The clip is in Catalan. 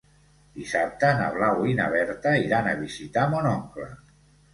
Dissabte na Blau i na Berta iran a visitar mon oncle.